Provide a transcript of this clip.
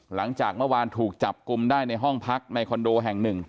หลังจากเมื่อวานถูกจับกลุ่มได้ในห้องพักในคอนโดแห่งหนึ่ง